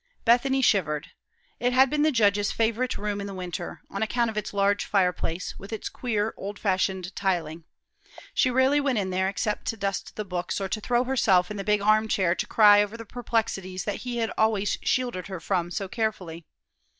Bethany shivered. It had been the judge's favorite room in the winter, on account of its large fireplace, with its queer, old fashioned tiling. She rarely went in there except to dust the books or throw herself in the big arm chair to cry over the perplexities that he had always shielded her from so carefully.